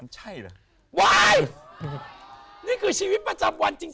ใช่ค่ะ